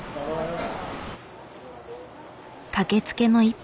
かけつけの一杯。